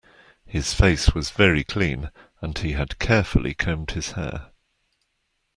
His face was very clean, and he had carefully combed his hair